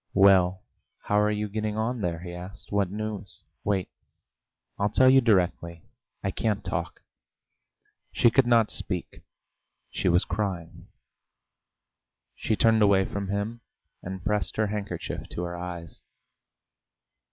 "Well, how are you getting on there?" he asked. "What news?" "Wait; I'll tell you directly.... I can't talk." She could not speak; she was crying. She turned away from him, and pressed her handkerchief to her eyes.